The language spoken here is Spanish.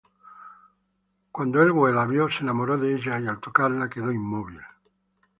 Cuando Elwë la vio se enamoró de ella y al tocarla quedó inmóvil.